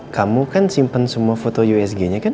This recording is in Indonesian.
kamu kan simpen semua foto usg nya kan